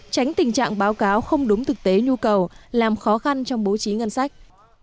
tránh tình trạng báo cáo không đúng thực tế nhu cầu làm khó khăn trong bố trí ngân sách